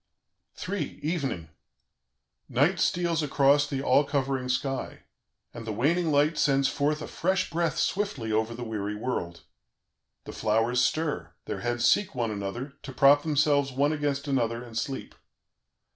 "III. EVENING "Night steals across the all covering sky, and the waning light sends forth a fresh breath swiftly over the weary world. The flowers stir, their heads seek one another, to prop themselves one against another and sleep.